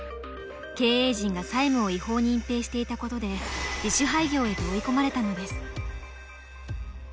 経営陣が債務を違法に隠ぺいしていたことで自主廃業へと追い込まれたのです。